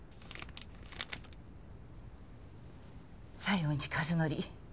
西園寺和則。